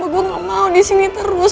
gue nggak mau disini terus